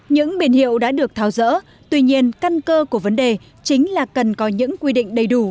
những biển hiệu đã được tháo rỡ tuy nhiên căn cơ của vấn đề chính là cần có những quy định đầy đủ